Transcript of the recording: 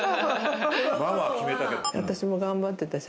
ママは私も頑張ってたし。